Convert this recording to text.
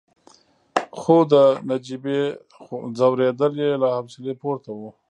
خو د نجيبې ځورېدل يې له حوصلې پورته وو.